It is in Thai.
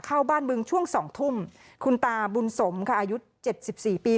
เข้าบ้านบึงช่วงสองทุ่มคุณตาบุญสมค่ะอายุเจ็ดสิบสี่ปี